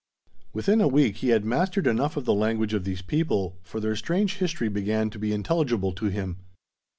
Within a week he had mastered enough of the language of these people, for their strange history began to be intelligible to him.